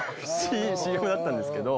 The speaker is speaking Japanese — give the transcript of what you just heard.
ＣＭだったんですけど。